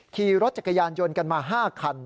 ขี่รถจักรยานยนต์กันมา๕คัน